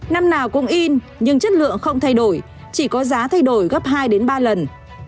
năm nào cũng in nhưng chất lượng không thay đổi chỉ có giá thay đổi gấp hai đến ba lần